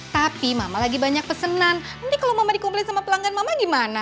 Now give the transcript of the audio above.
tapi mama lagi banyak pesenan ini kalau mama dikumpulin sama pelanggan mama gimana